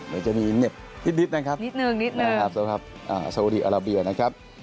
มันจะมีเหน็บนิดนะครับสาวุดีอาราเบียนะครับ